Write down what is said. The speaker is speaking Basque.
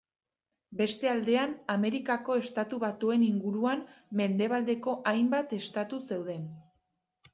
Beste aldean Amerikako Estatu Batuen inguruan mendebaldeko hainbat estatu zeuden.